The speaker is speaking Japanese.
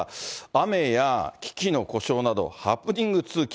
雨や機器の故障など、ハプニング続き。